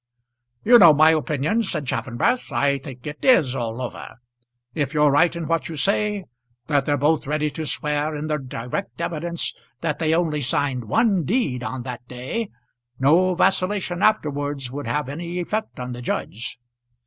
"You know my opinion," said Chaffanbrass. "I think it is all over. If you're right in what you say, that they're both ready to swear in their direct evidence that they only signed one deed on that day, no vacillation afterwards would have any effect on the judge.